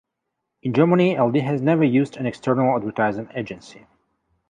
In Germany, Aldi has never used an external advertising agency.